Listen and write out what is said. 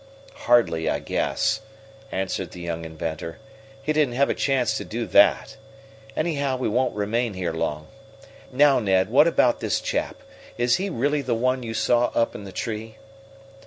"Hardly, I guess," answered the young inventor. "He didn't have a chance to do that. Anyhow we won't remain here long. Now, Ned, what about this chap? Is he really the one you saw up in the tree?"